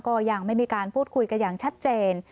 ก็ยังไม่มีการพูดคุยกันอย่างชัดเจน